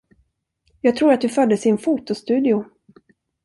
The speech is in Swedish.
Jag tror att du föddes i en fotostudio.